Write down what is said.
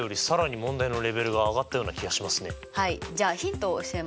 じゃあヒントを教えますね。